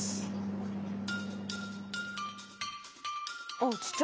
あっちっちゃ。